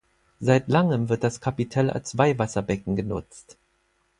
Seit langem wird das Kapitell als Weihwasserbecken genutzt.